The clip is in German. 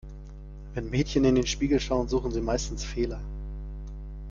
Wenn Mädchen in den Spiegel schauen, suchen sie meistens Fehler.